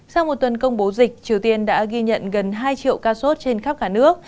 sau một tuần công bố dịch triều tiên đã ghi nhận gần hai triệu ca sốt trên khắp cả nước